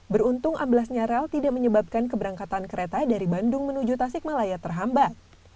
beruntung ablasnya rel tidak menyebabkan keberangkatan kereta dari bandung menuju tasikmalaya terhambat